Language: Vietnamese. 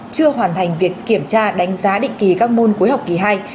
chưa hoàn thành việc kiểm tra đánh giá định kỳ các môn cuối học kỳ hai